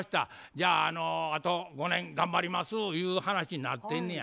じゃああと５年頑張ります」ゆう話になってんねや。